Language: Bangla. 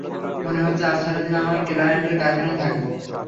মনে হচ্ছে আজ সারাদিন আমার ক্লায়েন্টের কারখানায় থাকবো।